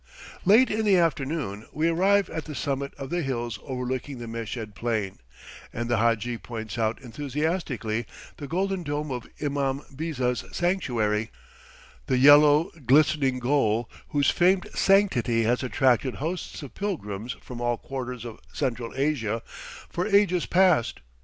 Late in the afternoon we arrive at the summit of the hills overlooking the Meshed Plain, and the hadji points out enthusiastically the golden dome of Imam Biza's sanctuary; the yellow, glistening goal whose famed sanctity has attracted hosts of pilgrims from all quarters of Central Asia for ages past.